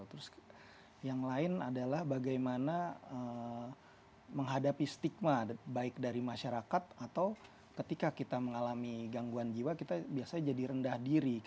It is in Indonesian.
terus yang lain adalah bagaimana menghadapi stigma baik dari masyarakat atau ketika kita mengalami gangguan jiwa kita biasanya jadi rendah diri